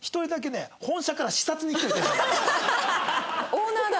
オーナーだ！